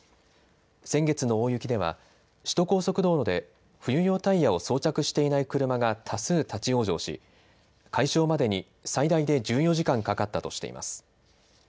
先月の大雪では首都高速道路で冬用タイヤを装着していない車が多数立往生し解消までに最大で１４時間かかったとしています。